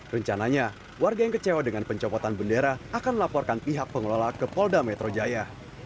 rencananya warga yang kecewa dengan pencopotan bendera akan melaporkan pihak pengelola ke polda metro jaya